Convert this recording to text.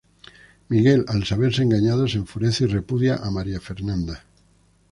Miguel al saberse engañado, se enfurece y repudia a María Fernanda.